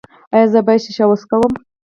ایا زه باید شیشه وڅکوم؟